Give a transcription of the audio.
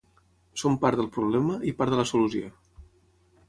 Som part del problema i part de la solució.